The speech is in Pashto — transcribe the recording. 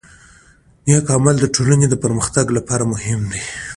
نیک عمل د ټولنې د پرمختګ لپاره مهم دی.